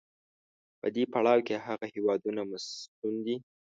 په دې پړاو کې هغه هېوادونه مصون دي.